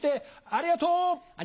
ありがとう。